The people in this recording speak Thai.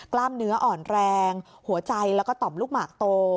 กล้ามเนื้ออ่อนแรงหัวใจแล้วก็ต่อมลูกหมากโต